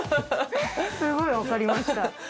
すごい分かりました。